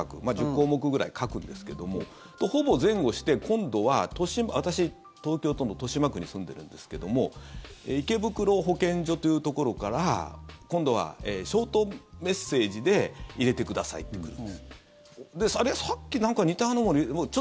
１０項目ぐらい書くんですけどもほぼ前後して今度は私、東京都の豊島区に住んでるんですけども池袋保健所というところから今度はショートメッセージで入れてくださいって来るんです。